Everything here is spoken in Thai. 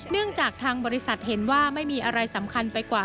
จากทางบริษัทเห็นว่าไม่มีอะไรสำคัญไปกว่า